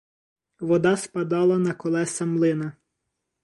Вода спадала на колеса млина.